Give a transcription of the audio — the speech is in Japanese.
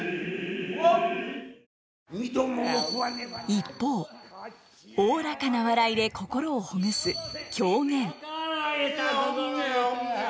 一方おおらかな笑いで心をほぐす「狂言」。